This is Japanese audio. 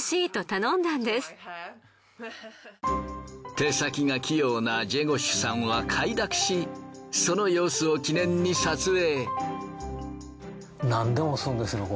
手先が器用なジェゴシュさんは快諾しその様子を記念に撮影。